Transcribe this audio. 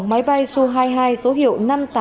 máy bay su hai mươi hai số hiệu năm nghìn tám trăm tám mươi